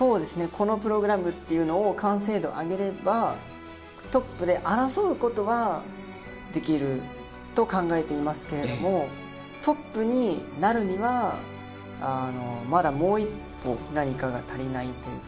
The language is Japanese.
このプログラムっていうのを完成度上げればトップで争うことはできると考えていますけどトップになるにはまだもう一歩何かが足りないというか。